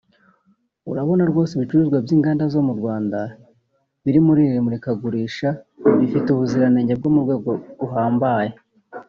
urabona rwose ibicuruzwa by’inganda z’u Rwanda biri muri iri murikagurisha bifite ubuziranenge bwo mu rwego ruhambaye